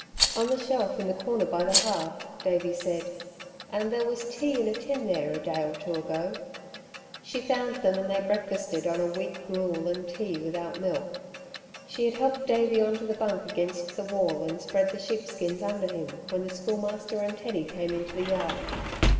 "On the shelf in the corner by the hearth," Davey said. "And there was tea in a tin there a day or two ago." She found them and they breakfasted on a weak gruel and tea without milk. She had helped Davey on to the bunk against the wall and spread the sheepskins under him when the Schoolmaster and Teddy came into the yard.